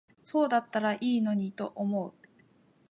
そうだったら良いと思うのに。